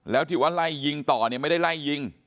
แล้วที่ว่าไล่ยิงต่อเนี่ยไม่ได้ไล่ยิง